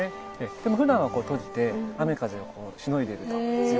でもふだんは閉じて雨風をしのいでいると。